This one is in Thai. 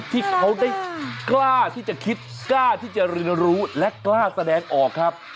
ที่เขาได้กล้าที่จะคิดกล้าที่จะเรียนรู้และกล้าแสดงออกครับ